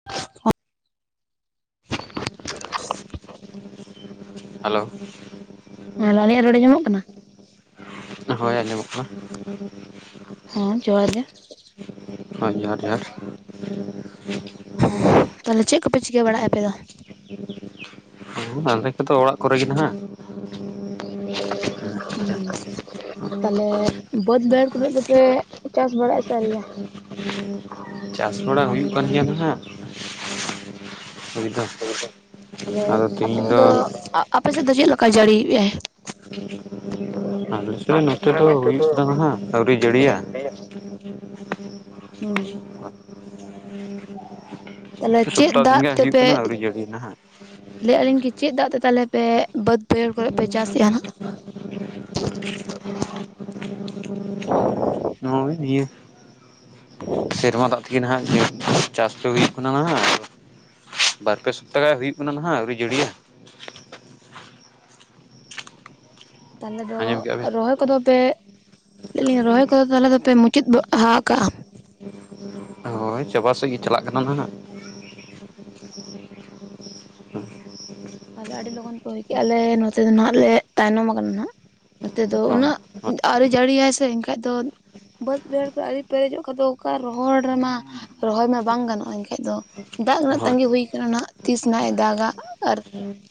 [inaudible] Hello ᱦᱮᱸ ᱟᱞᱮᱭᱟᱜ ᱨᱚᱲ ᱟᱸᱡᱚᱢᱚᱜ ᱠᱟᱱᱟ? ᱦᱳᱭ ᱟᱸᱡᱚᱢᱚᱜ ᱠᱟᱱᱟ ᱦᱚᱸ ᱡᱚᱦᱟᱨ ᱜᱮ ᱦᱳᱭ ᱡᱚᱦᱟᱨ ᱡᱚᱦᱟᱨ ᱛᱟᱦᱚᱞᱮ ᱪᱮᱫ ᱠᱚᱯᱮ ᱪᱤᱠᱟᱹ ᱵᱟᱲᱟᱭᱼᱟ ᱟᱯᱮ ᱫᱚ ᱟᱞᱮ ᱠᱚᱫᱚ ᱚᱲᱟᱜ ᱠᱚᱨᱮ ᱜᱮ ᱱᱟᱦᱟᱸᱜ ᱦᱩᱸ [unintelligible] ᱛᱟᱦᱞᱮ ᱵᱟᱹᱫᱽ ᱵᱟᱹᱭᱦᱟᱹᱲ ᱠᱚᱨᱮᱫ ᱫᱚᱯᱮ ᱪᱟᱥ ᱵᱟᱲᱟᱭᱮᱜ ᱟ ᱥᱮ ᱟᱹᱣᱨᱤᱭᱟ ᱪᱟᱥ ᱵᱟᱲᱟ ᱦᱩᱭᱩᱜ ᱠᱟᱱ ᱜᱮᱭᱟ ᱱᱟᱦᱟᱸᱜ ᱦᱩᱭ ᱫᱚ ᱛᱟᱦᱚᱞᱮ ᱟᱫᱚ ᱟᱯᱮ ᱛᱮᱦᱮᱧ ᱥᱮᱫ ᱫᱚ ᱟᱯᱮ ᱥᱮᱫ ᱫᱚ ᱪᱮᱫ ᱞᱮᱠᱟ ᱡᱟᱹᱲᱤ ᱮᱫᱼᱟᱭ ᱟᱞᱮ ᱥᱮᱫ ᱱᱚᱛᱮ ᱫᱚ ᱦᱩᱭᱩᱜ ᱠᱟᱱᱟ ᱱᱟᱦᱟᱸᱜ ᱟᱹᱣᱨᱤ ᱡᱟᱹᱲᱤᱭᱟ [inaudible] ᱦᱩᱸ ᱛᱟᱦᱞᱮ ᱪᱮᱫ ᱥᱚᱯᱛᱟᱦᱚ ᱫᱤᱱ ᱫᱟᱜ ᱜᱮ ᱦᱩᱭᱩᱜ ᱛᱮᱯᱮ ᱠᱟᱱᱟ ᱟᱹᱣᱨᱤ ᱡᱟᱹᱲᱤᱭᱟ ᱱᱟᱦᱟᱜ ᱞᱟᱹᱭᱮᱫᱼᱟᱹᱞᱤᱧ ᱠᱤ ᱪᱮᱫ ᱫᱟᱜ ᱛᱮ ᱛᱟᱦᱚᱞᱮ ᱯᱮ ᱵᱟᱹᱫᱽ ᱵᱟᱹᱭᱦᱟᱹᱲ ᱠᱚᱨᱮ ᱯᱮ ᱪᱟᱥ ᱮᱫ ᱱᱟᱦᱟᱸᱜ [inaudible] ᱱᱚ ᱤᱭᱟᱹ ᱥᱮᱨᱢᱟ ᱫᱟᱜ ᱛᱮᱜᱮ ᱱᱟᱦᱟᱸᱜ ᱪᱟᱥ ᱫᱚ ᱦᱩᱭᱩᱜ ᱠᱟᱱᱟ ᱱᱟᱦᱟᱸᱜ ᱵᱟᱨ ᱯᱮ ᱥᱚᱯᱛᱟ ᱜᱟᱱ ᱦᱩᱭᱩᱜ ᱠᱟᱱᱟ ᱱᱟᱦᱟᱸᱜ ᱟᱹᱣᱨᱤ ᱡᱷᱟᱹᱲᱤᱭᱟ ᱛᱟᱦᱚᱞᱮ ᱫᱚ ᱟᱸᱡᱚᱢ ᱠᱮᱜᱼᱟ ᱵᱮᱱ ᱨᱚᱦᱚᱭ ᱠᱚᱫᱚ ᱯᱮ ᱞᱟᱹᱭ ᱫᱟᱹᱧ ᱨᱚᱦᱚᱭ ᱠᱚᱫᱚ ᱛᱟᱦᱚᱞᱮ ᱫᱚᱯᱮ ᱢᱩᱪᱟᱹᱫ ᱵᱟᱲᱟ ᱦᱟ ᱠᱟᱜᱼᱟ ᱦᱳᱭ ᱪᱟᱵᱟᱥᱮᱫ ᱜᱮ ᱪᱟᱞᱟᱜ ᱠᱟᱱᱟ ᱱᱟᱦᱟᱜ ᱦᱮᱸ ᱛᱟᱦᱞᱮ ᱟᱹᱰᱤ ᱞᱚᱜᱚᱱ ᱯᱮ ᱦᱩᱭ ᱠᱮᱫ ᱟᱞᱮ ᱱᱚᱛᱮ ᱫᱚ ᱱᱟᱱᱟᱜ ᱞᱮ ᱛᱟᱭᱱᱚᱢ ᱟᱠᱟᱱᱟ ᱱᱟᱱᱟᱜ ᱱᱚᱛᱮ ᱫᱚ ᱦᱳᱭ ᱩᱱᱟᱹᱜ ᱟᱹᱣᱨᱤ ᱡᱟᱹᱲᱤᱭᱟᱭ ᱥᱮ ᱮᱱᱠᱷᱟᱡ ᱫᱚ ᱵᱟᱹᱫᱽ ᱵᱟᱹᱭᱦᱟᱹᱲ ᱠᱚ ᱟᱹᱣᱨᱤ ᱯᱮᱨᱮᱡᱚᱜ ᱠᱷᱟᱱ ᱫᱚ ᱚᱠᱟ ᱨᱚᱦᱚᱲ ᱨᱮᱢᱟ, ᱨᱚᱦᱚᱭ ᱢᱟ ᱵᱟᱝ ᱜᱟᱱᱚᱜᱼᱟ ᱮᱱᱠᱷᱟᱡ ᱫᱚ ᱫᱟᱜ ᱨᱮᱱᱟᱜ ᱦᱳᱭ ᱛᱟᱺᱜᱤ ᱦᱩᱭ ᱠᱟᱱᱟ ᱛᱤᱥ ᱱᱟᱦᱟᱸᱜ ᱮ ᱫᱟᱜᱟ ᱟᱨ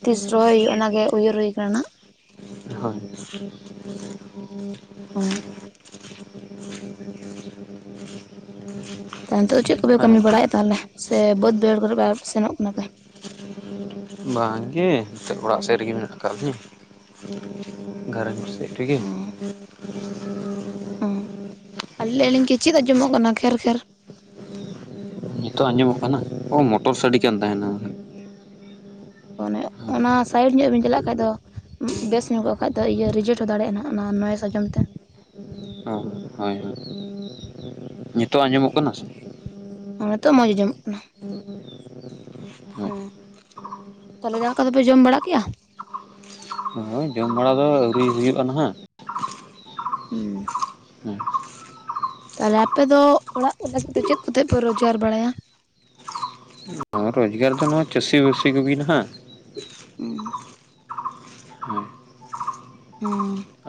ᱛᱤᱥ ᱨᱚᱦᱚᱭ ᱦᱩᱭᱩᱜᱼᱟ, ᱚᱱᱟᱜᱮ ᱩᱭᱦᱟᱹᱨ ᱦᱩᱭ ᱠᱟᱱᱟ ᱱᱟᱦᱟᱸᱜ ᱦᱳᱭ ᱦᱩᱸ ᱱᱤᱛᱚᱜ ᱫᱚ ᱪᱮᱫ ᱠᱚᱯᱮ ᱠᱟᱹᱢᱤ ᱵᱟᱲᱟᱭᱮᱫ-ᱟ ᱛᱟᱦᱚᱞᱮ ᱥᱮ ᱵᱟᱹᱫ ᱵᱟᱹᱭᱦᱟᱹᱲ ᱠᱚᱨᱮ ᱥᱮᱱᱚᱜ ᱠᱟᱱᱟ ᱯᱮ᱾ [unintelligible] ᱵᱟᱝᱜᱮ ᱱᱤᱛᱚᱜ ᱚᱲᱟᱜ ᱥᱮᱫ ᱨᱮᱜᱮ ᱢᱮᱱᱟᱜ ᱠᱟᱜ ᱞᱤᱧ᱾ ᱜᱷᱟᱨᱚᱸᱡᱽ ᱥᱮᱫ ᱨᱮᱜᱮ᱾ ᱚᱸ ᱟ ᱞᱟᱹᱭ ᱟᱞᱤᱧ ᱠᱤ ᱪᱮᱫ ᱟᱸᱡᱚᱢᱚᱜ ᱠᱟᱱᱟ ᱠᱷᱮᱨ ᱠᱷᱮᱨ? ᱱᱤᱛᱚᱜ ᱟᱸᱡᱚᱢᱚᱜ ᱠᱟᱱᱟ ᱚ ᱢᱚᱴᱚᱨ ᱥᱟᱰᱮ ᱠᱟᱱ ᱛᱟᱦᱮᱱᱟ᱾ ᱚᱱᱮ ᱚᱱᱟ ᱥᱟᱭᱤᱰ ᱧᱚᱜ ᱵᱮᱱ ᱪᱟᱞᱟᱜ ᱠᱷᱟᱡ ᱫᱚ, ᱵᱮᱥ ᱧᱚᱜᱚᱜ ᱠᱷᱟᱡ ᱫᱚ ᱤᱭᱟᱹ ᱨᱤᱡᱮᱴ ᱦᱚᱸ ᱫᱟᱲᱮᱭᱟᱜ-ᱟ, ᱱᱚ ᱱᱚ ᱱᱚᱭᱮᱥ ᱟᱸᱡᱚᱢ ᱛᱮ᱾ ᱚ ᱦᱳᱭ ᱦᱳᱭ ᱱᱤᱛᱚᱜᱴᱜ ᱟᱸᱡᱚᱢᱚᱜ ᱠᱟᱱᱟ ᱥᱮ? ᱦᱚᱸ ᱱᱤᱛᱚᱜ ᱢᱚᱸᱡᱽ ᱟᱸᱡᱚᱢᱚᱜ ᱠᱟᱱᱟ ᱦᱳᱭ ᱦᱩᱸ ᱛᱟᱦᱚᱞᱮ ᱫᱟᱠᱟ ᱠᱚᱫᱚᱯᱮ ᱡᱚᱢ ᱵᱟᱲᱟ ᱠᱮ-ᱟ? ᱦᱳᱭ ᱡᱚᱢ ᱵᱟᱲᱟ ᱫᱚ ᱟᱹᱣᱨᱤ ᱦᱩᱭᱩᱜ-ᱟ ᱱᱟᱦᱟᱜ᱾ ᱦᱩᱸ ᱦᱮᱸ ᱛᱟᱦᱚᱞᱮ ᱟᱯᱮ ᱫᱚ ᱚᱲᱟᱜ ᱠᱚ ᱞᱟᱹᱜᱤᱫ ᱫᱚ ᱪᱮᱫ ᱠᱚᱛᱮ ᱯᱮ ᱨᱚᱡᱽᱜᱟᱨ ᱵᱟᱲᱟᱭᱟ? ᱨᱚᱡᱽᱜᱟᱨ ᱫᱚ ᱱᱚᱣᱟ ᱪᱟᱹᱥᱤ ᱵᱟᱹᱥᱤ ᱠᱚᱜᱮ ᱱᱟᱦᱟᱜ᱾ ᱦᱮᱸ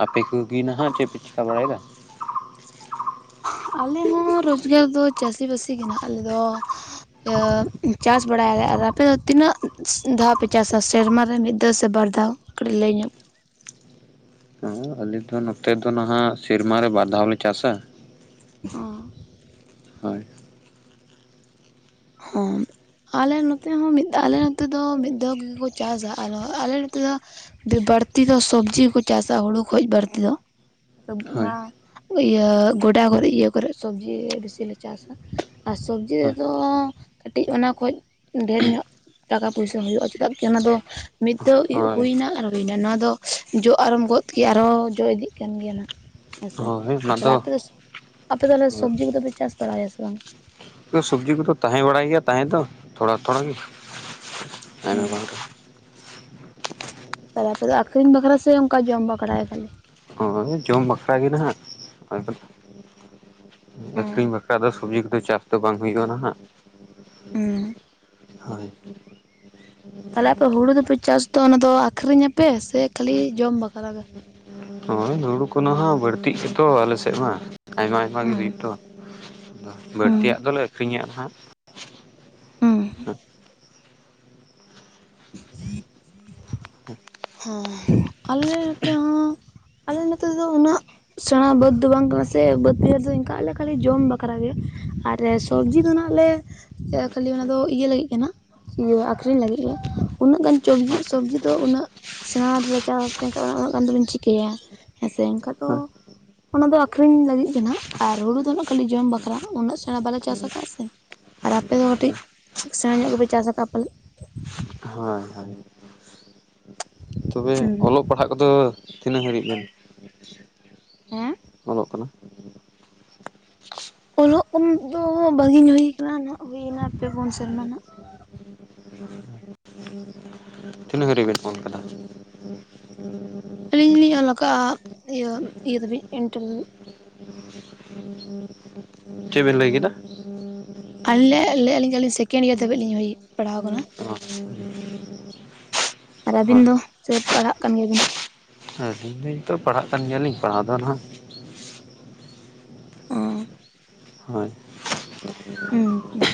ᱟᱯᱮ ᱠᱚ ᱜᱮ ᱱᱟᱦᱟᱜ ᱪᱮᱫ ᱯᱮ ᱪᱤᱠᱟ ᱵᱟᱲᱟᱭᱮᱫᱟ? ᱟᱞᱮ ᱦᱚᱸ ᱨᱳᱡᱽᱜᱟᱨ ᱫᱚ ᱪᱟᱹᱥᱤᱵᱟᱹᱥᱤ ᱜᱮ ᱦᱟᱜ, ᱟᱞᱮ ᱫᱚ ᱪᱟᱥ ᱵᱟᱲᱟᱭᱟᱞᱮ ᱟᱨ ᱟᱯᱮ ᱫᱚ ᱛᱤᱱᱟᱹᱜ ᱫᱷᱟᱣ ᱯᱮ ᱪᱟᱥᱟ ᱥᱮᱨᱢᱟ ᱨᱮ ᱢᱤᱫ ᱫᱷᱟᱣ ᱥᱮ ᱵᱟᱨ ᱫᱷᱟᱣ? ᱠᱟᱹᱴᱤᱡ ᱞᱟᱹᱭ ᱧᱚᱜ ᱦᱮᱸ ᱟᱞᱮ ᱫᱚ ᱱᱚᱛᱮ ᱫᱚ ᱱᱟᱦᱟᱜ ᱥᱮᱨᱢᱟ ᱨᱮ ᱵᱟᱨ ᱫᱷᱟᱣᱞᱮ ᱪᱟᱥᱟ᱾ ᱚ ᱦᱳᱭ ᱦᱚ ᱟᱞᱮ ᱱᱚᱛᱮ ᱦᱚᱸ ᱢᱤᱫ ᱟᱞᱮ ᱱᱚᱛᱮ ᱫᱚ ᱢᱤᱫ ᱫᱷᱟᱣ ᱜᱮᱜᱮᱠᱚ ᱪᱟᱥᱟ ᱟᱨ ᱟᱞᱮ ᱱᱚᱛᱮ ᱫᱚ ᱵᱟᱹᱲᱛᱤ ᱫᱚ ᱥᱚᱵᱽᱡᱤᱠᱚ ᱪᱟᱥᱟ, ᱦᱩᱲᱩ ᱠᱷᱚᱡ ᱵᱟᱹᱲᱛᱤ ᱫᱚ, ᱦᱳᱭ ᱚᱱᱟ ᱤᱭᱟᱹ ᱜᱚᱰᱟ ᱠᱚᱨᱮ ᱤᱭᱟᱹ ᱠᱚᱨᱮ ᱥᱚᱵᱽᱡᱤ ᱵᱤᱥᱤ ᱞᱮ ᱪᱟᱥᱟ᱾ ᱟᱨ ᱥᱚᱵᱡᱤ ᱦᱳᱭ ᱨᱮᱫᱚ ᱠᱟᱹᱴᱤᱡ ᱚᱱᱟ ᱠᱷᱚᱡ ᱰᱷᱮᱨ ᱧᱚᱜ ᱴᱟᱠᱟ ᱯᱚᱭᱥᱟ ᱦᱩᱭᱩᱜ-ᱟ ᱪᱮᱫᱟᱜ ᱠᱤ ᱚᱱᱟ ᱫᱚ ᱢᱤᱫ ᱫᱷᱟᱣ ᱦᱳᱭ ᱦᱩᱭᱱᱟ ᱟᱨ ᱦᱩᱭᱱᱟ ᱱᱚᱣᱟ ᱫᱚ ᱡᱚ ᱟᱨᱚᱢ ᱜᱚᱫ ᱠᱮᱫᱟ ᱟᱨᱦᱚᱸ ᱡᱚ ᱤᱫᱤᱜ ᱠᱟᱱ ᱜᱮᱭᱟ ᱱᱟᱜ᱾ ᱦᱮᱸᱥᱮ ᱦᱳᱭ ᱚᱱᱟ ᱛᱟᱦᱚᱞᱮ ᱟᱯᱮ ᱫᱚ ᱟᱯᱮ ᱫᱚ ᱥᱚᱵᱽᱡᱤ ᱠᱚᱫᱚ ᱯᱮ ᱪᱟᱥ ᱵᱟᱲᱟᱭᱟ ᱥᱮ ᱵᱟᱝ? ᱥᱚᱵᱡᱤ ᱠᱚᱫᱚ ᱛᱟᱦᱮᱸ ᱵᱟᱲᱟᱭ ᱜᱮᱭᱟ ᱛᱟᱦᱮᱸ ᱫᱚ ᱛᱷᱚᱲᱟ ᱛᱷᱚᱲᱟ ᱜᱮ᱾ ᱟᱭᱢᱟ ᱵᱟᱝ ᱨᱮ ᱦᱩᱸ ᱟᱯᱮ ᱫᱚ ᱟᱠᱷᱨᱤᱧ ᱵᱟᱠᱷᱨᱟ ᱥᱮ ᱚᱱᱠᱟ ᱡᱚᱢ ᱵᱟᱠᱷᱲᱟ ᱠᱷᱟᱹᱞᱤ? ᱦᱳᱭ ᱡᱚᱢ ᱵᱟᱠᱷᱨᱟ ᱜᱮ ᱱᱟᱦᱟᱜ᱾ ᱦᱮᱸ ᱟᱠᱷᱨᱤᱧ ᱵᱟᱠᱷᱨᱟ ᱫᱚ ᱥᱚᱵᱡᱤ ᱠᱚᱫᱚ ᱪᱟᱥ ᱫᱚ ᱵᱟᱝ ᱦᱩᱭᱩᱜ-ᱟ ᱱᱟ ᱦᱟᱜ᱾ ᱦᱚᱸ ᱦᱳᱭ ᱛᱟᱦᱚᱞᱮ ᱟᱯᱮ ᱦᱩᱲᱩ ᱫᱚᱯᱮ ᱪᱟᱥ ᱫᱚ ᱚᱱᱟ ᱫᱚ ᱟᱠᱷᱨᱤᱧᱟᱯᱮ ᱥᱮ ᱠᱷᱟᱹᱞᱤ ᱡᱚᱢ ᱵᱟᱠᱷᱨᱟ ᱜᱮ? ᱦᱳᱭ ᱦᱩᱲᱩ ᱠᱷᱚᱱᱟᱜ ᱵᱟᱹᱲᱛᱤᱜ ᱜᱮᱛᱚ ᱟᱞᱮ ᱥᱮᱫ ᱢᱟ ᱟᱭᱢᱟ ᱟᱭᱢᱟ ᱜᱮ ᱦᱮᱸ ᱦᱩᱭᱩᱜ ᱫᱚ᱾ ᱟᱫᱚ ᱦᱮᱸ ᱵᱟᱹᱲᱛᱤᱭᱟᱜ ᱫᱚᱞᱮ ᱟᱹᱠᱷᱨᱤᱧᱟ ᱱᱟᱦᱟᱸᱜ ᱦᱩᱸ ᱦᱮᱸ ᱟᱞᱮ ᱱᱚᱛᱮ ᱦᱚᱸ ᱟᱞᱮ ᱱᱚᱛᱮ ᱫᱚ ᱩᱱᱟᱹᱜ ᱥᱮᱬᱟ ᱵᱟᱹᱫᱽ ᱫᱚ ᱵᱟᱝ ᱠᱟᱱᱟ ᱥᱮ ᱵᱟᱹᱫᱽ ᱵᱟᱹᱭᱦᱟᱹᱲ ᱫᱚ ᱤᱱᱠᱟᱜᱞᱮ ᱠᱷᱟᱹᱞᱤ ᱡᱚᱢ ᱵᱟᱠᱷᱨᱟ ᱜᱮ᱾ ᱟᱨ ᱥᱚᱵᱽᱡᱤ ᱫᱚ ᱟᱜ ᱞᱮ ᱠᱷᱟᱹᱞᱤ ᱚᱱᱟ ᱫᱚ ᱤᱭᱟᱹ ᱞᱟᱹᱜᱤᱫ ᱠᱟᱱᱟ᱾ ᱤᱭᱟᱹ ᱟᱠᱷᱨᱤᱧ ᱞᱟᱹᱜᱤᱫ ᱜᱮ ᱩᱱᱟᱹᱜ ᱜᱟᱱ ᱪᱚᱵᱡᱤ ᱥᱚᱵᱡᱤ ᱫᱚ ᱩᱱᱟᱹᱜ ᱥᱮᱬᱟ ᱛᱮᱞᱮ ᱪᱟᱥ ᱮᱱᱠᱷᱟᱱ ᱩᱱᱟᱹᱜ ᱜᱟᱱ ᱫᱚᱞᱤᱧ ᱪᱤᱠᱟᱹᱭᱟ ᱦᱮᱸᱥᱮ? ᱮᱱᱠᱷᱟᱱ ᱫᱚ ᱦᱳᱭ ᱚᱱᱟ ᱫᱚ ᱟᱠᱷᱨᱤᱧ ᱞᱟᱹᱜᱤᱫ ᱜᱮ ᱟᱨ ᱦᱩᱲᱩ ᱫᱚ ᱱᱟᱜ ᱠᱷᱟᱹᱞᱤ ᱡᱚᱢ ᱵᱟᱠᱷᱨᱟ ᱩᱱᱟᱹᱜ ᱥᱮᱬᱟ ᱵᱟᱞᱮ ᱪᱟᱥ ᱠᱟᱫᱟ ᱥᱮ ᱟᱨ ᱟᱯᱮ ᱫᱚ ᱠᱟᱹᱴᱤᱡ ᱥᱮᱬᱟ ᱧᱚᱜ ᱜᱮᱯᱮ ᱪᱟᱥ ᱟᱠᱟᱜ-ᱟ ᱯᱟᱞᱮ ᱦᱳᱭ ᱦᱳᱭ ᱛᱚᱵᱮ ᱦᱮᱸ ᱚᱞᱚᱜ ᱯᱟᱲᱦᱟᱜ ᱠᱚᱫᱚ ᱛᱤᱱᱟᱹᱜ ᱦᱟᱹᱨᱤᱡ ᱵᱮᱱ ᱦᱮᱸ ᱚᱞᱚᱜ ᱠᱟᱱᱟ ᱚᱞᱚᱜ ᱠᱚ ᱫᱚ ᱵᱷᱟᱹᱜᱤᱧ ᱦᱩᱭ ᱟᱠᱟᱱᱟ ᱱᱟᱜ ᱦᱩᱭᱱᱟ ᱯᱮ ᱵᱩᱱ ᱥᱮᱨᱢᱟ ᱱᱷᱟᱜ ᱛᱤᱱᱟᱹᱜ ᱦᱟᱹᱨᱤᱡ‌ᱵᱤᱱ ᱚᱞ ᱟᱠᱟᱫᱟ ᱟᱹᱞᱤᱧ ᱞᱤᱧ ᱚᱞ ᱟᱠᱟᱜᱼᱟ ᱤᱭᱟᱹ ᱤᱭᱟᱹ ᱫᱷᱟᱹᱵᱤᱡ ᱮᱱᱴᱟᱨ [inaudible] ᱪᱮᱫ ᱵᱮᱱ ᱞᱟᱹᱭ ᱠᱮᱫᱟ [inaudible] ᱟᱹᱞᱤᱧ ᱞᱤᱧ ᱞᱟᱹᱭᱮᱜ-ᱟ ᱟᱹᱞᱤᱧ ᱥᱮᱠᱮᱱᱰ ᱤᱭᱟᱨ ᱫᱷᱟᱹᱵᱤᱡ ᱞᱤᱧ ᱯᱟᱲᱦᱟᱣ ᱟᱠᱟᱱᱟ [unintelligible] ᱟᱨ ᱟᱹᱵᱤᱱ ᱫᱚ ᱥᱮ ᱯᱟᱲᱦᱟᱜ ᱠᱟᱱ ᱜᱮᱭᱟ ᱵᱤᱱ ᱟᱹᱞᱤᱧ ᱛᱚ ᱯᱟᱲᱦᱟᱜ ᱠᱟᱱ ᱜᱮᱭᱟᱞᱤᱧ ᱯᱟᱲᱦᱟᱣ ᱫᱚ ᱱᱟᱦᱟᱸᱜ ᱦᱳᱭ ᱦᱮᱸ [unintelligible]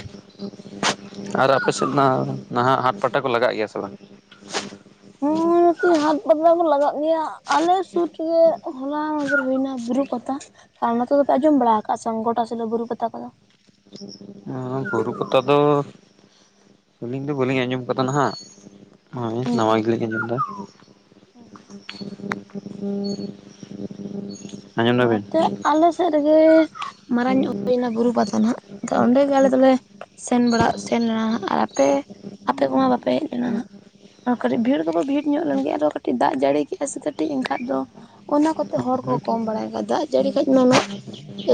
[inaudible] ᱟᱨ ᱟᱯᱮ ᱥᱮᱫ ᱢᱟ ᱱᱟᱦᱟᱸᱜ ᱦᱟᱴ ᱯᱟᱴᱟ ᱠᱚ ᱞᱟᱜᱟᱜ ᱜᱮᱭᱟ ᱥᱮ ᱵᱟᱝ ᱦᱮᱸ ᱦᱟᱛ ᱯᱟᱛᱟ ᱠᱚ ᱞᱟᱜᱟᱜ ᱜᱮᱭᱟ ᱟᱞᱮ ᱥᱩᱨ ᱨᱮᱜᱮ ᱦᱚᱞᱟ ᱢᱟᱫᱷᱮᱨ ᱦᱩᱭᱱᱟ ᱵᱩᱨᱩ ᱯᱟᱛᱟ ᱟᱨ ᱱᱚᱛᱮ ᱫᱚᱯᱮ ᱟᱸᱡᱚᱢ ᱵᱟᱲᱟ ᱟᱠᱟᱜ ᱟᱥᱮ ᱵᱟᱝ ᱜᱚᱴᱟ ᱥᱤᱞᱟᱹ ᱵᱩᱨᱩ ᱯᱟᱛᱟ ᱠᱚᱫᱚ ᱦᱚᱸ ᱨᱩ ᱯᱟᱛᱟ ᱫᱚ ᱟᱹᱞᱤᱧ ᱫᱚ ᱵᱟᱹᱞᱤᱧ ᱟᱸᱡᱚᱢ ᱠᱟᱫᱟ ᱱᱟᱦᱟᱸᱜ ᱦᱚᱭ ᱦᱩᱸ ᱱᱟᱶᱟ ᱜᱮᱞᱤᱧ ᱟᱸᱡᱚᱢ ᱫᱟ [inaudible] ᱱᱚᱛᱮ ᱟᱞᱮ ᱥᱮᱫ ᱨᱮᱜᱮ ᱢᱟᱨᱟᱝ ᱧᱚᱜ ᱦᱩᱭᱱᱟ ᱵᱩᱨᱩ ᱯᱟᱛᱟ ᱦᱟᱸᱜ ᱛᱚ ᱚᱸᱰᱮ ᱜᱮ ᱟᱞᱮ ᱫᱚᱞᱮ ᱥᱮᱱ ᱵᱟᱲᱟ ᱥᱮᱱ ᱞᱮᱱᱟ ᱦᱟᱸᱜ ᱟᱨ ᱟᱯᱮ ᱟᱯᱮ ᱠᱚᱢᱟ ᱵᱟᱯᱮ ᱦᱮᱡ ᱞᱮᱱᱟ ᱦᱟᱸᱜ ᱠᱟᱹᱴᱤᱡ ᱵᱷᱤᱲ ᱫᱚᱵᱚ ᱵᱷᱤᱲ ᱧᱚᱜ ᱞᱮᱱ ᱜᱮᱭᱟ ᱟᱨᱚ ᱠᱟᱹᱴᱤᱡ ᱫᱟᱜ ᱡᱟᱹᱲᱤ ᱠᱮᱜᱼᱟ ᱥᱮ ᱠᱟᱹᱴᱤᱡ ᱮᱱᱠᱷᱟᱡ ᱫᱚ ᱚᱱᱟ ᱠᱚᱛᱮ ᱦᱚᱲ ᱠᱚ ᱠᱚᱢ ᱵᱟᱲᱟᱭ ᱫᱟᱜ ᱡᱟᱹᱲᱤ ᱠᱷᱟᱡ ᱢᱟ ᱩᱱᱟᱹᱜ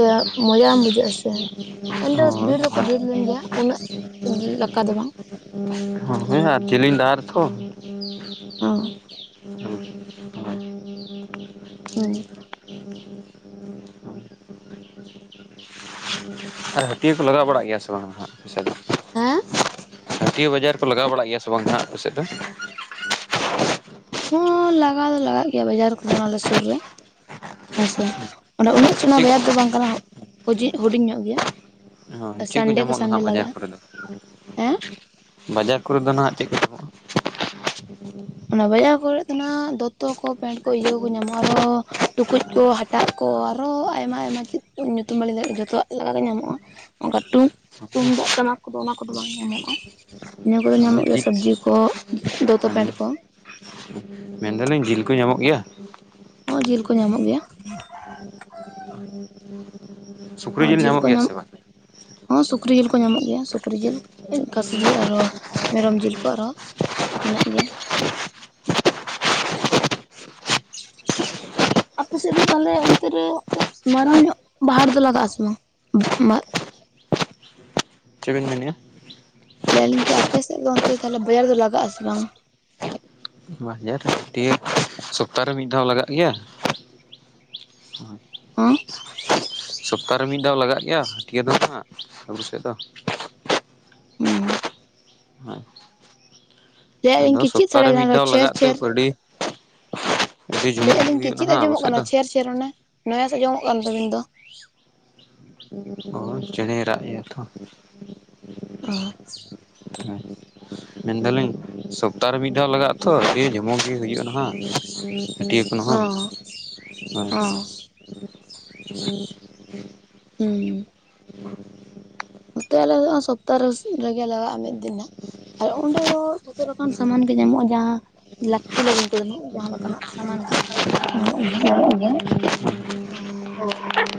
ᱮ ᱢᱚᱡᱟ ᱵᱟᱝ ᱵᱩᱡᱷᱟᱹᱜᱼᱟ ᱥᱮ ᱮᱱᱫᱚ ᱦᱳᱭ ᱵᱷᱤᱲ ᱫᱚᱠᱚ ᱵᱷᱤᱲ ᱞᱮᱱ ᱜᱮᱭᱟ ᱩᱱᱟᱹᱜ ᱞᱮᱠᱟ ᱫᱚ ᱵᱟᱝ ᱦᱚᱸ ᱦᱮᱸ ᱟᱨ ᱪᱤᱞᱤᱧ ᱰᱟᱦᱟᱨ ᱛᱷᱚ [inaudible] ᱚ [unintelligible] ᱦᱳᱭ ᱟᱨ ᱦᱟᱹᱴᱭᱟᱹ ᱠᱚ ᱞᱟᱜᱟᱣ ᱵᱟᱲᱟᱜ ᱜᱮᱭᱟ ᱥᱮ ᱥᱟ ᱵᱮᱥᱫᱟ [unintelligible] ᱦᱮᱸ ᱦᱟᱹᱴᱤᱭᱟᱹ ᱵᱟᱡᱟᱨ ᱠᱚ ᱞᱟᱜᱟᱣ ᱵᱟᱲᱟᱜ ᱜᱮᱭᱟ ᱥᱮ ᱵᱟᱝ ᱱᱟᱜ ᱟᱯᱮ ᱥᱮᱫ ᱫᱚ ᱦᱚᱸ ᱞᱟᱜᱟᱣ ᱫᱚ ᱞᱟᱜᱟᱜ ᱜᱮᱭᱟ ᱵᱟᱡᱟᱨ ᱠᱚᱫᱚ ᱟᱞᱮ ᱥᱩᱨ ᱨᱮ ᱦᱮᱸᱥᱮ ᱚᱱᱟ ᱩᱱᱟᱹᱜ ᱥᱮᱬᱟ ᱪᱮᱫ ᱵᱟᱡᱟᱨ ᱫᱚ ᱵᱟᱝ ᱠᱟᱱᱟ ᱦᱩ ᱦᱩᱰᱤᱧ ᱧᱚᱜ ᱜᱮᱭᱟ ᱪᱮᱫ ᱠᱚ ᱥᱟᱱᱰᱮ ᱧᱟᱢᱚᱜᱼᱟ ᱥᱟᱱᱰᱮ ᱦᱟᱸᱜ ᱵᱟᱡᱟᱨ ᱞᱟᱜᱟᱜᱼᱟ ᱠᱚᱨᱮ ᱫᱚ ᱦᱮᱸ ᱵᱟᱡᱟᱨ ᱠᱚᱨᱮ ᱫᱚ ᱱᱟᱦᱟᱸᱜ ᱪᱮᱫ ᱠᱚ ᱧᱟᱢᱚᱜᱼᱟ ᱚᱱᱟ ᱵᱟᱡᱟᱨ ᱠᱚᱨᱮ ᱫᱚ ᱦᱟᱸᱜ ᱫᱚᱛᱚ ᱠᱚ ᱯᱮᱱᱴ ᱠᱚ ᱤᱭᱟᱹ ᱠᱚ ᱧᱟᱢᱚᱜᱼᱟ ᱟᱨᱚ ᱴᱩᱠᱩᱡ ᱠᱚ ᱦᱟᱴᱟᱜ ᱠᱚ ᱟᱨᱚ ᱟᱭᱢᱟ ᱟᱭᱢᱟ ᱪᱮᱫ ᱧᱩᱛᱩᱢ ᱵᱟᱞᱤᱧ ᱫᱟᱲᱮᱣᱟᱜ ᱡᱚᱛᱚᱣᱟᱜ ᱞᱮᱠᱟᱜᱮ ᱧᱟᱢᱚᱜᱼᱟ ᱚᱱᱠᱟ ᱛᱩᱢᱫᱟᱜ ᱴᱟᱢᱟᱠ ᱠᱚᱫᱚ ᱚᱱᱟ ᱠᱚᱫᱚ ᱵᱟᱝ ᱧᱟᱢᱚᱜᱼᱟ ᱤᱱᱟᱹ ᱠᱚᱫᱚ ᱦᱳᱭ ᱧᱟᱢᱚᱜ ᱜᱮᱭᱟ ᱡᱤᱞ ᱥᱚᱵᱽᱡᱤ ᱠᱚ ᱫᱚᱛᱚ ᱯᱮᱱᱰ ᱠᱚ ᱫᱟᱞᱤᱧ ᱡᱤᱞ ᱠᱚ ᱧᱟᱢᱚᱜ ᱜᱮᱭᱟ ᱦᱚᱸ ᱡᱤᱞ ᱠᱚ ᱧᱟᱢᱚᱜ ᱜᱮᱭᱟ ᱥᱩᱠ ᱦᱚᱸ ᱡᱤᱞ ᱠᱚ ᱧᱟᱢᱚᱜ ᱦᱚᱸ ᱥᱩᱠᱨᱤ ᱡᱤᱞ ᱠᱚ ᱧᱟᱢᱚᱜ ᱜᱮᱭᱟ ᱥᱩᱠᱨᱤ ᱡᱤᱞ ᱠᱟᱹᱥᱤ ᱡᱤᱞ ᱟᱨᱦᱚᱸ ᱢᱮᱨᱚᱢ ᱡᱤᱞ ᱠᱚ ᱟᱨᱦᱚᱸ ᱢᱮᱱᱟᱜ ᱜᱮᱭᱟ [unintelligible] ᱟᱯᱮ ᱥᱮᱫ ᱫᱚ ᱛᱟᱦᱚᱞᱮ ᱚᱱᱛᱮ ᱨᱮ ᱢᱟᱨᱟᱝ ᱧᱚᱜ ᱵᱟᱦᱟᱴ ᱫᱚ ᱞᱟᱜᱟᱜ ᱟᱥᱮ ᱵᱟᱝ ᱪᱮ ᱵᱮᱱ ᱢᱮᱱᱮᱫᱼᱟ ᱞᱟᱹᱭᱟᱞᱤᱧ ᱠᱮ ᱟᱯᱮ ᱥᱮᱫ ᱫᱚ ᱚᱱᱛᱮ ᱛᱟᱦᱚᱞᱮ ᱵᱚᱞᱚᱲ ᱫᱚ ᱞᱟᱜᱟᱜ ᱟᱥᱮ ᱵᱟᱝ ᱵᱟᱡᱟᱨ ᱦᱟ. ᱴᱤᱭᱟ. ᱥᱚᱯᱛᱟᱨᱮ ᱢᱤᱫ ᱫᱷᱟᱣ ᱞᱟᱜᱟᱜ ᱜᱮᱭᱟ ᱦᱚᱸ ᱥᱚᱯᱛᱟᱨᱮ ᱢᱤᱫ ᱫᱷᱟᱣ ᱞᱟᱜᱟᱜ ᱜᱮᱭᱟ ᱦᱟᱹᱴᱭᱟᱹ ᱫᱚ ᱱᱟᱦᱜ ᱟᱵᱚ ᱥᱮᱫ ᱫᱚ ᱦᱩᱸ ᱦᱚᱸ ᱞᱟᱹᱭ ᱟᱹᱧ ᱠᱤ ᱪᱮᱫ ᱥᱟᱲᱮ ᱢᱤᱫ ᱠᱟᱱᱟ ᱫᱷᱟᱣ ᱪᱷᱮᱨ ᱞᱟᱜᱟᱜ ᱛᱮ ᱪᱷᱮᱨ ᱟᱹᱰᱤ ᱟᱹᱰᱤ ᱡᱷᱩᱢᱩᱨ ᱜᱮ ᱞᱟᱹᱭᱮᱜᱼᱟᱞᱤᱧ ᱠᱤ ᱦᱩᱭᱩᱜ ᱪᱮᱫ ᱱᱟᱦᱟᱜ ᱟᱵᱚ ᱟᱸᱡᱚᱢᱚᱜ ᱥᱮᱫ ᱠᱟᱱᱟ ᱫᱚ ᱪᱷᱮᱨ ᱪᱷᱮᱨ ᱚᱱᱮ ᱱᱚᱭᱟᱥ ᱟᱡᱚᱢᱚᱜ ᱠᱟᱱ ᱛᱟᱹᱵᱤᱱ ᱫᱚ ᱚ ᱪᱮᱸᱬᱮ ᱨᱟᱜ ᱮᱭᱟ ᱛᱚ ᱚ ᱦᱮᱸ ᱢᱮᱱᱫᱟᱞᱤᱧ ᱥᱚᱯᱛᱟᱦᱚ ᱨᱮ ᱢᱤᱫ ᱫᱷᱟᱣ ᱞᱟᱜᱟᱜ ᱟᱛᱚ ᱫᱤᱭᱮ ᱡᱚᱢᱚᱠ ᱜᱮ ᱦᱩᱭᱩᱜ-ᱟ ᱱᱟᱦᱟᱜ ᱦᱟᱹᱴᱤᱭᱟ‌. ᱠᱷᱚᱱ ᱦᱚᱸ ᱦᱚᱸ [inaudible] ᱦᱩᱸ ᱱᱚᱛᱮ ᱟᱞᱮ ᱥᱚᱯᱛᱟᱨᱮ ᱨᱮᱜᱮ ᱞᱟᱜᱟᱜ-ᱟ ᱢᱤᱫ ᱫᱤᱱ ᱦᱟᱸᱜ ᱟᱨ ᱚᱸᱰᱮ ᱫᱚ ᱡᱚᱛᱚ ᱞᱮᱠᱟᱱ ᱥᱟᱢᱟᱱ ᱜᱮ ᱧᱟᱢᱚᱜ-ᱟ ᱡᱟᱦᱟᱸ ᱞᱟᱹᱠᱛᱤ ᱞᱟᱹᱜᱤᱱ ᱱᱟᱦ ᱡᱟᱦᱟᱸ ᱞᱮᱠᱟᱱᱟᱜ ᱥᱟᱢᱟᱱ ᱫᱚ ᱧᱟᱢᱚᱜ ᱜᱮᱭᱟ ᱟᱹᱞᱤᱧ ᱦᱮᱸ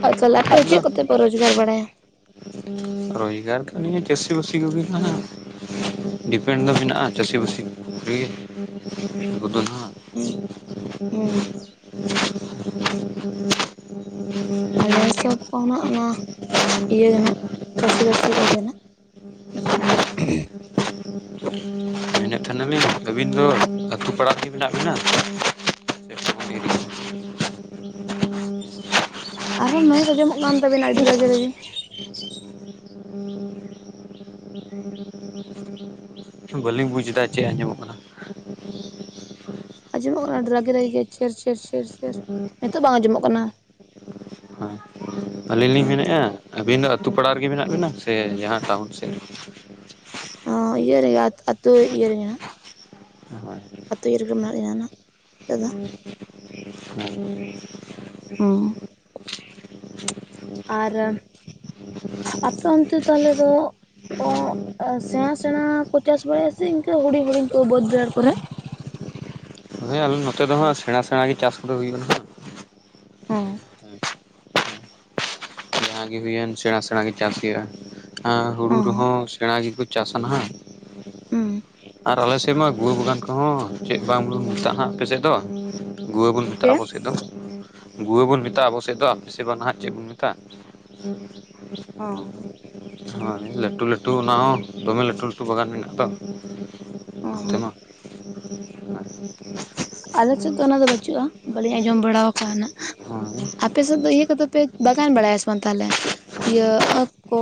ᱟᱪᱟᱞ ᱟᱞᱮ ᱟᱯᱮ ᱪᱮᱫ ᱫᱚ ᱞᱮᱠᱟ ᱠᱚᱛᱮ ᱯᱮ ᱨᱳᱡᱽᱜᱟᱨ ᱵᱟᱲᱟᱭᱟ ᱨᱳᱡᱽᱜᱟᱨ ᱫᱚ ᱱᱤᱭᱟ. ᱪᱟᱹᱥᱤ ᱵᱟᱥᱤ ᱠᱚᱜᱮ ᱱᱟᱦᱟᱜ ᱰᱤᱯᱮᱱᱰ ᱫᱚ ᱢᱮᱱᱟᱜ-ᱟ ᱪᱟᱹᱥᱤ ᱵᱟᱹᱥᱤ ᱠᱩᱨᱤ ᱜᱮ ᱩᱱᱠᱩ ᱫᱚ ᱱᱟᱦᱟᱜ ᱦᱩᱸ [unintelligible] ᱟᱞᱮ ᱦᱤᱥᱟ. ᱵ ᱠᱚᱦᱚ ᱩᱱᱟᱹᱜ ᱚᱱᱟ ᱤᱭᱟᱹ ᱱᱟᱜ ᱪᱟᱹᱥᱤ ᱵᱟᱹᱥᱤ ᱠᱚᱜᱮ ᱱᱟᱜ [unintelligible] ᱢᱮᱱᱮᱫ ᱛᱟᱦᱮᱱᱟᱞᱤᱧ ᱟᱹᱵᱤᱱ ᱫᱚ ᱟᱹᱛᱩ ᱯᱟᱲᱟ ᱨᱮ ᱢᱮᱱᱟᱜ ᱵᱤᱱᱟ ᱟᱨᱦᱚᱸ ᱱᱩᱭᱮᱡ ᱟᱸᱡᱚᱢᱚᱜ ᱠᱟᱱ ᱛᱟᱵᱮᱱᱟ ᱟᱹᱰᱤ ᱨᱟᱜᱤ ᱨᱮᱜᱤ [unintelligible] ᱵᱟᱹᱞᱤᱧ ᱵᱩᱡ ᱫᱟ ᱪᱮᱫ ᱟᱸᱡᱚᱢᱚᱜ ᱠᱟᱱᱟ ᱟᱸᱡᱚᱢᱚᱜ ᱠᱟᱱᱟ ᱟᱹᱰᱤ ᱨᱟᱹᱜᱤ ᱨᱟᱜᱤ ᱜᱮ ᱪᱷᱮᱨ ᱪᱷᱮᱨ ᱪᱷᱮᱨ ᱪᱷᱮᱨ ᱱᱤᱛᱚᱜ ᱵᱟᱝ ᱟᱸᱚᱢᱚᱜ ᱠᱟᱱᱟ ᱦᱮᱸ ᱟᱹᱞᱤᱧ ᱞᱤᱧ ᱦᱮᱸᱛᱚ ᱢᱮᱱᱮᱫᱼᱟ ᱟᱹᱵᱤᱱ ᱫᱚ ᱟ. ᱛᱩ ᱯᱟᱲᱟ ᱨᱮᱜᱮ ᱢᱮᱱᱟᱜ ᱵᱤᱱᱟ ᱥᱮ ᱡᱟᱦᱟᱸ ᱴᱟᱣᱩᱱ ᱥᱮᱫ ᱚ ᱤᱭᱟᱹ ᱨᱮ ᱟ. ᱛᱩ ᱤᱭᱟᱹ ᱨᱮ ᱦᱟᱸᱜ ᱨᱮ ᱦᱳᱭ ᱟ. ᱛᱩ ᱤᱭᱟᱹ ᱨᱮᱜᱮ ᱢᱮᱱᱟᱜ ᱞᱤᱱᱟ ᱱᱟᱦᱟᱜ ᱱᱤᱛᱚᱜ ᱫᱚ ᱦᱮᱸ ᱦᱩᱸ ᱟᱨ ᱟᱯᱮ ᱚᱱᱛᱮ ᱛᱟᱦᱚᱞᱮ ᱫᱚ ᱮᱚᱜ ᱮ ᱥᱮᱬᱟ ᱥᱮᱬᱟ ᱠᱚ ᱪᱟᱥ ᱵᱟᱲᱟᱭᱟ ᱥᱮ ᱤᱱᱠᱟᱹ ᱦᱩᱰᱤᱧ ᱦᱩᱰᱤᱧ ᱠᱚ ᱵᱟᱹᱫᱽ ᱵᱚᱭᱦᱟᱹᱲ ᱠᱚᱨᱮ ᱦᱳᱭ ᱱᱚᱛᱮ ᱫᱚ ᱦᱟᱸᱜ ᱥᱮᱬᱟ ᱥᱮᱬᱟᱟᱜ ᱜᱮ ᱪᱟᱥ ᱠᱚᱫᱚ ᱦᱩᱭᱩᱜᱼᱟ ᱚᱸ ᱡᱟᱦᱟᱸᱟ ᱜᱮ ᱦᱩᱭᱮᱱ ᱥᱮᱬᱟ ᱥᱮᱬᱟ ᱜᱮ ᱪᱟᱥ ᱦᱩᱭᱩᱜᱼᱟ ᱦᱩᱲᱩ ᱨᱮᱦᱚᱸ ᱥᱮᱬᱟ ᱜᱮᱠᱚ ᱪᱟᱥᱟ ᱱᱟᱦᱟᱜ ᱟᱨ ᱟᱞᱮ ᱥᱮᱫ ᱢᱟ ᱜᱩᱣᱟᱹ ᱵᱟᱜᱟᱱ ᱚᱦᱚᱸ ᱪᱮᱫ ᱵᱟᱝ ᱢᱮᱛᱟᱜᱼᱟ ᱟᱯᱮ ᱥᱮᱫ ᱫᱚ ᱜᱩᱣᱟᱹ ᱵᱚᱱ ᱢᱮᱛᱟᱜᱼᱟ ᱪᱮᱫ ᱟᱵᱚᱥᱮᱫ ᱫᱚ ᱜᱩᱣᱟᱹ ᱵᱚᱱ ᱢᱮᱛᱟᱜᱼᱟ ᱟᱵᱚ ᱥᱮᱫ ᱫᱚ ᱵᱮᱥᱤᱨ ᱵᱟᱝ ᱱᱟᱦᱟᱜ ᱪᱮᱫ ᱵᱚᱱ ᱢᱮᱛᱟᱜᱼᱟ ᱚ ᱦᱳᱭ ᱞᱟᱹᱴᱩ ᱞᱟᱹᱴᱩ ᱚᱱᱟ ᱦᱚᱸ ᱫᱚᱢᱮ ᱞᱟᱹᱴᱩ ᱞᱟᱹᱴᱩ ᱵᱟᱜᱟᱱ ᱢᱮᱱᱟᱜ ᱛᱚ᱾ [unintelligible] ᱟᱞᱮ ᱥᱮᱫ ᱫᱚ ᱚᱱᱟ ᱫᱚ ᱵᱟᱹᱪᱩᱜᱼᱟ ᱵᱟᱹᱞᱤᱧ ᱟᱸᱡᱚᱢ ᱵᱟᱲᱟ ᱠᱟᱣᱱᱟ᱾ ᱟᱯᱮ ᱥᱮᱫ ᱫᱚ ᱤᱭᱟᱹ ᱠᱚᱫᱚ ᱯᱮ ᱵᱟᱜᱟᱱ ᱵᱟᱲᱟᱭᱟ ᱥᱮ ᱵᱟᱝ ᱛᱟᱦᱚᱞᱮ ᱤᱭᱟᱹ ᱟᱸᱠ ᱠᱚ?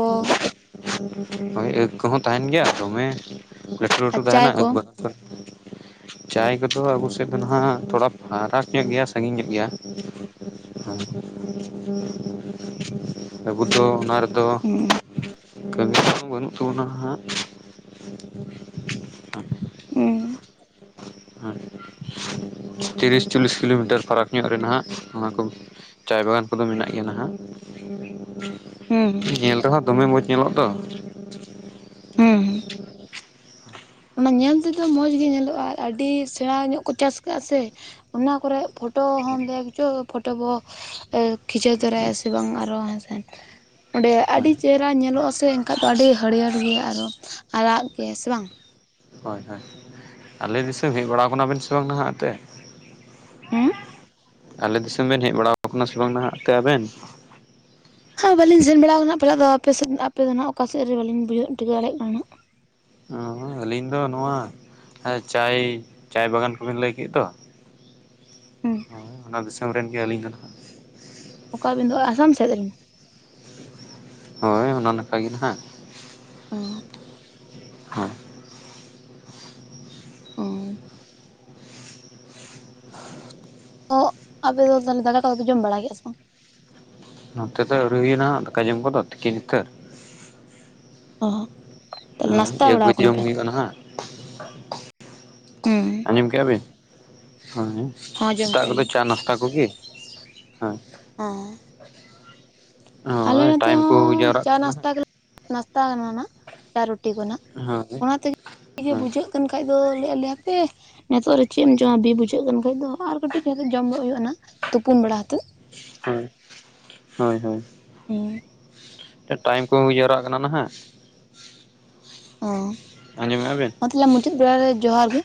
[inaudible] ᱟᱸᱠ ᱠᱚᱦᱚᱸ ᱛᱟᱦᱮᱸᱱ ᱜᱮᱭᱟ ᱫᱚᱢᱮ ᱞᱟᱹᱴᱩ ᱟᱨ ᱞᱟᱹᱴᱩ ᱪᱟᱭ ᱛᱟᱦᱮᱸᱱᱟ ᱟᱸᱠ ᱵᱟᱠ ᱠᱚ᱾ ᱪᱟᱭ ᱠᱚᱫᱚ ᱟᱵᱚ ᱥᱮᱫ ᱫᱚ ᱱᱟᱸᱜ ᱛᱷᱚᱲᱟ ᱯᱷᱟᱨᱟᱠ ᱧᱚᱜ ᱜᱮᱭᱟ ᱥᱟᱹᱜᱤᱧ ᱧᱚᱜ ᱜᱮᱭᱟ᱾ ᱟᱵᱩ ᱫᱚ ᱚᱱᱟ ᱨᱮᱫᱚ᱾ ᱦᱩᱸ ᱛᱚ ᱱᱟᱦᱟᱜ᱾ ᱦᱩᱸ ᱟᱭ [inaudible] ᱛᱤᱨᱤᱥ ᱪᱚᱞᱤᱥ ᱠᱤᱞᱳᱢᱤᱴᱟᱨ ᱯᱷᱟᱨᱟᱠ ᱧᱚᱜ ᱨᱮᱱ ᱦᱟᱸᱜ ᱚᱱᱟ ᱠᱚ᱾ ᱪᱟᱭ ᱵᱟᱜᱟᱱ ᱠᱚᱫᱚ ᱢᱮᱱᱟᱜ ᱜᱮᱭᱟ ᱱᱟᱦᱟᱜ᱾ ᱦᱩᱸ ᱧᱮᱞ ᱫᱚᱦᱟ ᱫᱚᱢᱮ ᱢᱚᱡ ᱧᱮᱞᱚᱜᱼᱟ ᱛᱚ ᱦᱮᱸ ᱦᱮᱸ᱾ ᱚᱱᱟ ᱧᱮᱞ ᱛᱮᱫᱚ ᱢᱚᱸᱡᱽ ᱜᱮ ᱧᱮᱞᱚᱜᱼᱟ ᱟᱹᱰᱤ ᱥᱮᱬᱟ ᱧᱚᱜ ᱠᱚ ᱪᱟᱥ ᱠᱟ ᱥᱮ ᱚᱱᱟ ᱠᱚᱨᱮ ᱯᱷᱳᱴᱳ ᱦᱚᱢ [unintelligible] ᱯᱷᱳᱴᱳ ᱵᱚ᱾ ᱟᱸᱠ ᱠᱷᱤᱪᱟᱹᱣ ᱛᱚᱨᱟᱭᱟ ᱥᱮ ᱵᱟᱝ ᱟᱨᱚ᱾ [unintelligible] ᱚᱸᱰᱮ ᱦᱳᱭ ᱟᱹᱰᱤ ᱪᱮᱦᱨᱟ ᱧᱮᱞᱚᱜᱼᱟ ᱥᱮ ᱮᱱᱠᱷᱟᱡ ᱫᱚ ᱟᱹᱰᱤ ᱦᱟᱹᱨᱭᱟᱹᱲ ᱜᱮᱭᱟ ᱟᱨ ᱦᱚᱸ᱾ ᱟᱨᱟᱜ ᱜᱮ ᱥᱮ ᱵᱟᱝ? ᱦᱳᱭ ᱦᱳᱭ᱾ ᱟᱞᱮ ᱫᱤᱥᱚᱢ ᱦᱮᱡ ᱵᱟᱲᱟᱣ ᱟᱠᱟᱱᱟᱵᱮᱱ ᱥᱮ ᱵᱟᱝ ᱱᱟᱦᱟᱜ ᱮᱱᱛᱮ? ᱦᱮᱸ᱾ ᱟᱞᱮ ᱫᱤᱥᱚᱢ ᱵᱮᱱ ᱦᱮᱡ ᱵᱟᱲᱟ ᱠᱟᱱᱟ ᱥᱮ ᱵᱟᱝ ᱱᱟᱦᱟᱜ ᱛᱮ ᱟᱵᱮᱱ? ᱵᱟᱞᱤᱧ ᱥᱮᱱ ᱵᱟᱲᱟ ᱟᱠᱟᱱᱟ ᱯᱟᱞᱮ ᱫᱚ ᱟᱯᱮ ᱥᱮᱫ ᱟᱯᱮ ᱫᱚ ᱱᱟᱜ ᱚᱠᱟ ᱥᱮᱫ ᱨᱮ ᱵᱟᱞᱤᱧ ᱵᱩᱡᱷᱟᱹᱣ ᱴᱷᱤᱠ-ᱟ ᱫᱟᱲᱮᱭᱟᱜ ᱠᱟᱱᱟ᱾ [unintelligible] ᱟᱞᱤᱧ ᱫᱚ ᱱᱚᱣᱟ ᱪᱟᱭ ᱪᱟᱭ ᱵᱟᱜᱟᱱ ᱠᱚᱵᱤᱱ ᱞᱟᱹᱭ ᱠᱮᱫ ᱫᱚ᱾ ᱦᱩᱸ᱾ ᱦᱳᱭ ᱚᱱᱟ ᱫᱤᱥᱚᱢ ᱨᱮᱱ ᱜᱮ ᱟᱞᱤᱧ ᱫᱚ ᱱᱟᱦᱟᱜ᱾ ᱚᱠᱟ ᱟᱵᱤᱱ ᱫᱚ ᱟᱥᱟᱢ ᱥᱮᱫ ᱨᱮᱱ? ᱦᱳᱭ ᱚᱱᱟ ᱱᱟᱠᱷᱟ ᱜᱮ ᱱᱟᱦᱟᱜ᱾ ᱚᱻ᱾ ᱦᱳᱭ ᱚ ᱟᱯᱮ ᱫᱚ ᱛᱟᱦᱚᱞᱮ ᱫᱟᱠᱟ ᱠᱚᱫᱚ ᱯᱮ ᱡᱚᱢ ᱵᱟᱲᱟ ᱠᱮᱜ-ᱟ ᱥᱮ ᱵᱟᱝ? ᱱᱚᱱᱛᱮ ᱫᱚ ᱟᱹᱣᱨᱤ ᱦᱩᱭᱮᱱᱟ ᱫᱟᱠᱟ ᱡᱚᱢ ᱠᱚᱫᱚ ᱛᱤᱠᱤᱱ ᱩᱛᱟᱹᱨ᱾ ᱚᱦ ᱛᱟᱦᱚᱞᱮ ᱦᱳᱭ ᱱᱟᱥᱛᱟ ᱮᱠ ᱵᱟᱲᱟ ᱠᱟᱱᱟ ᱯᱮ? [unintelligible] ᱦᱮᱸ᱾ ᱟᱸᱡᱚᱢ ᱠᱮᱭᱟ ᱵᱮᱱ ᱦᱮᱸ ᱦᱚᱸ ᱡᱚᱢ ᱥᱮᱛᱟᱜ ᱠᱮᱜᱼᱟ ᱠᱚᱫᱚ ᱞᱤᱧ ᱪᱟ ᱱᱟᱥᱛᱟ ᱠᱚᱜᱮ ᱦᱮᱸ? ᱦᱮᱸ᱾ ᱟᱞᱮ ᱦᱳᱭ ᱱᱚᱛᱮ ᱴᱟᱭᱤᱢ ᱠᱚ ᱦᱩᱭ ᱦᱚᱸ ᱡᱟᱣᱨᱟᱜ ᱪᱟ ᱠᱟᱱᱟ ᱱᱟᱥᱛᱟ ᱱᱟᱦᱟᱜ ᱜᱮᱞᱮ᱾ ᱱᱟᱥᱛᱟ ᱟᱠᱟᱱᱟ ᱱᱟᱦᱟᱜ ᱪᱟ ᱨᱩᱴᱤ ᱠᱚ ᱱᱟᱦᱟᱜ ᱦᱳᱭ ᱚᱱᱟ ᱛᱮᱜᱮ ᱜᱮ ᱵᱩᱡᱷᱟᱹᱜ᱾ [unintelligible] ᱠᱷᱟᱡ ᱫᱚ ᱞᱟᱹᱭ ᱮ ᱟᱞᱮ ᱦᱟᱯᱮ᱾ ᱱᱤᱛᱚᱜ ᱨᱮ ᱪᱮᱫ ᱮᱢ ᱡᱚᱢᱟ ᱵᱤ ᱵᱩᱡᱷᱟᱹᱜ ᱠᱟᱱ ᱠᱷᱟᱡ ᱫᱚ ᱟᱨ ᱠᱟᱹᱴᱤᱡ ᱛᱟᱦᱮ ᱛᱮ ᱡᱚᱢ ᱜᱚᱜ ᱦᱩᱭᱩᱜ-ᱟ ᱱᱟᱦᱟᱜ ᱛᱩᱯᱩᱱ ᱵᱟᱲᱟ ᱠᱟᱛᱮᱫ᱾ ᱦᱳᱭ ᱦᱳᱭ ᱦᱳᱭ᱾ ᱦᱮᱸ᱾ ᱴᱟᱭᱤᱢ ᱠᱚ ᱦᱩᱭ ᱡᱟᱹᱣᱨᱟᱜ ᱠᱟᱱᱟ ᱱᱟᱦᱟᱜ᱾ ᱦᱮᱸ ᱟᱸᱡᱚᱢᱮᱣᱟ ᱵᱤᱱ? ᱢᱟ ᱛᱟᱦᱚᱞᱮ ᱢᱩᱪᱟᱹᱫ ᱵᱮᱲᱟ ᱨᱮ ᱡᱚᱦᱟᱨ ᱜᱮ